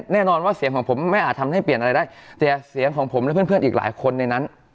แน่นอนว่าเสียงของผมไม่อาจทำให้เปลี่ยนอะไรได้แต่เสียงของผมและเพื่อนอีกหลายคนในนั้น